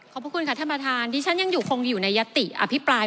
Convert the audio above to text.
พระคุณค่ะท่านประธานที่ฉันยังอยู่คงอยู่ในยติอภิปราย